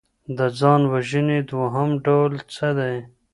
د ځان وژني دوهم ډول څه دی؟